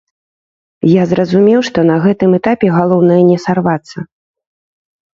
Я разумеў, што на гэтым этапе галоўнае не сарвацца.